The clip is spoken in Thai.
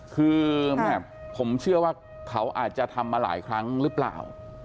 คือแม่ผมเชื่อว่าเขาอาจจะทำมาหลายครั้งหรือเปล่า